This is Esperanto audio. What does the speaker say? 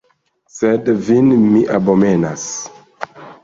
Sed vin mi abomenas.